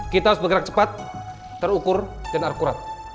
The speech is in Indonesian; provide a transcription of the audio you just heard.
kita harus bergerak cepat terukur dan akurat